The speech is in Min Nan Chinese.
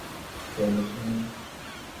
仙居